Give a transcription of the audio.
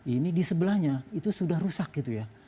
ini disebelahnya itu sudah rusak gitu ya